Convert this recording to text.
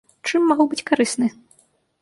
Чым магу быць карысны?